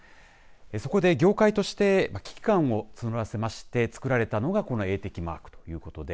そこで業界として危機感を募らせまして作られたのがこの映適マークということで。